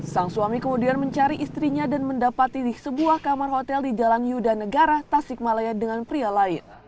sang suami kemudian mencari istrinya dan mendapati di sebuah kamar hotel di jalan yuda negara tasikmalaya dengan pria lain